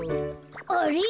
あれ？